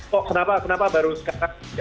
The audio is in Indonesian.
kok kenapa baru sekarang